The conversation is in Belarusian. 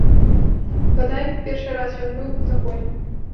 Бадай, першы раз ён быў у такой.